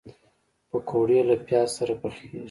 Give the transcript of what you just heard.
پکورې له پیاز سره پخېږي